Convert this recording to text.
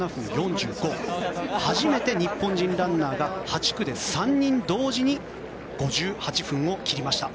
初めて日本人ランナーが８区で３人同時に５８分を切りました。